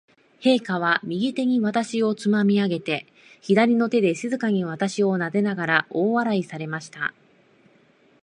陛下は、右手に私をつまみ上げて、左の手で静かに私をなでながら、大笑いされました。